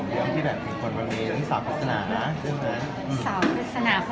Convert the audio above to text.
เลยที่ศาวครัฐสนานะ